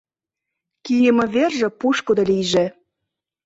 Кийыме верже пушкыдо лийже.